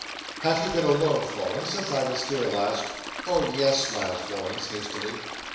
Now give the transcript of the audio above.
"Have you been alone, Florence, since I was here last?" "Oh yes!" smiled Florence, hastily.